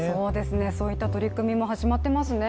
そういった取り組みも始まっていますね。